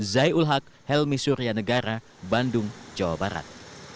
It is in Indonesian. zai ulhak helmi surya negara bandung jawa barat